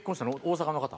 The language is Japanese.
大阪の方？